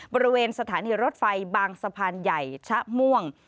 บริเวณสถานีรถไฟบางสะพานใหญ่ชะม่วง